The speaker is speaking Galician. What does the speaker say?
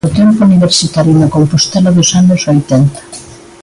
O tempo universitario na Compostela dos anos oitenta.